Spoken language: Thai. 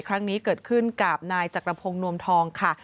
ครั้งนี้เกิดขึ้นกับนายจักรพงศ์นวมทองค่ะ